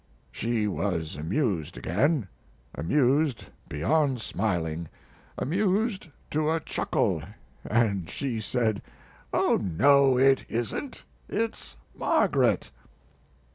She was amused again; amused beyond smiling; amused to a chuckle, and she said: "Oh no, it isn't; it's Margaret."